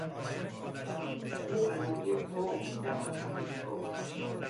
او از روی بغض به ما تبریک گفت.